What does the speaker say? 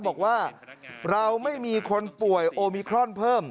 บอกว่าเราไม่มีคนป่วยโอมิครอนเพิ่ม